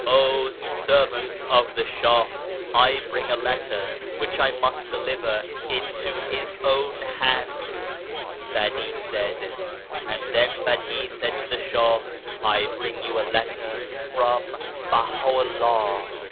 " Oh ! servants of the Shah, I bring a letter, which I must deliver into his own hands/' Badi said ; and then Badi said to the Shah, " I bring you a letter from Baha'u'llah